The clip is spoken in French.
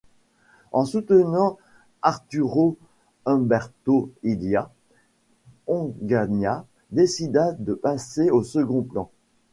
En soutenant Arturo Umberto Illia, Onganía décida de passer au second plan.